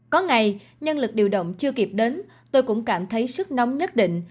có ngày nhân lực điều động chưa kịp đến tôi cũng cảm thấy sức nóng nhất định